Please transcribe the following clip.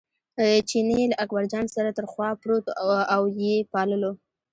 چیني له اکبرجان سره تر خوا پروت او یې پاللو.